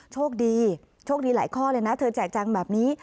โชคดีโชคดีหลายข้อเลยนะเธอแจกจังแบบนี้